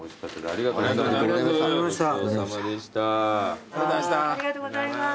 ありがとうございます。